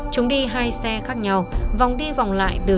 chúng đi hai xe khác nhau vòng đi vòng lại từ